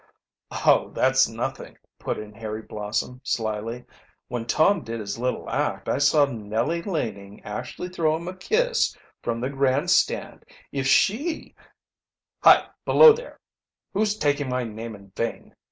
"Oh, that's nothing," put in Harry Blossom slyly. "When Tom did his little act I saw Nellie Laning actually throw him a kiss from the grand stand. If she " "Hi, below there! Who's taking my name in vain?"